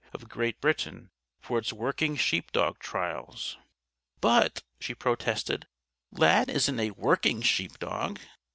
of Great Britain, for its Working Sheepdog Trials._' But," she protested, "Lad isn't a 'working' sheepdog!